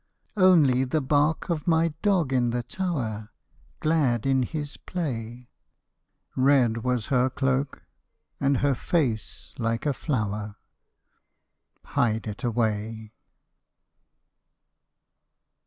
Only the bark of my dog in the tower, Glad in his play ;' Red was her cloak, and her face like a flower '; Hide it away